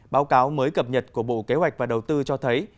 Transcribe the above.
báo cáo mới cập nhật của bộ kế hoạch và đầu tư cho thấy